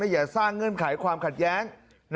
อย่าสร้างเงื่อนไขความขัดแย้ง